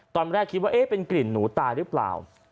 ตอนแรกคิดว่าเอ๊ะเป็นกลิ่นหนูตายหรือเปล่า